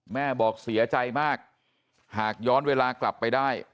แม่บอกเสียใจมากหากย้อนเวลากลับไปได้